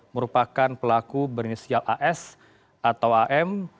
merupakan pelaku berinisial as atau am